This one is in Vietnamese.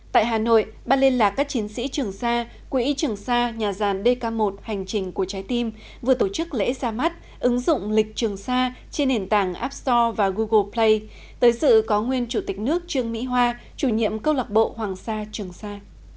tại hà nội ban liên lạc các chiến sĩ trường sa quỹ trường xa nhà dàn dk một hành trình của trái tim vừa tổ chức lễ ra mắt ứng dụng lịch trường sa trên nền tảng app store và google play tới sự có nguyên chủ tịch nước trương mỹ hoa chủ nhiệm câu lạc bộ hoàng sa trường sa